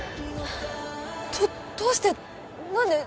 どどうして何で？